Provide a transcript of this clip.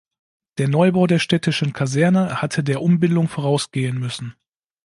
Der Neubau der städtischen Kaserne hatte der Umbildung vorausgehen müssen.